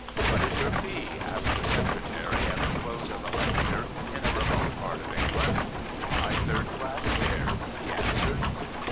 What is your fee? asked the secretary at the close of a lecture in a remote part of England. " My third class fare,*^ he answered.